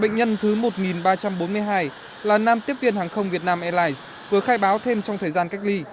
bệnh nhân thứ một ba trăm bốn mươi hai là nam tiếp viên hàng không việt nam airlines vừa khai báo thêm trong thời gian cách ly